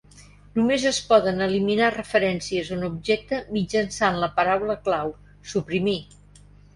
Només es poden eliminar referències a un objecte mitjançant la paraula clau "suprimir".